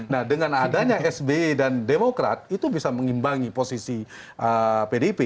nah dengan adanya sby dan demokrat itu bisa mengimbangi posisi pdip